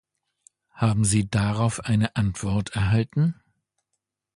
Haben Sie darauf eine Antwort erhalten?